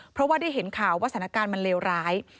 เพราะว่าได้เห็นข่าวว่าสถานการณ์มันเลวร้าย